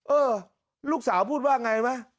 เออลูกสาวพูดว่าไงไหม